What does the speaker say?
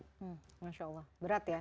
masya allah berat ya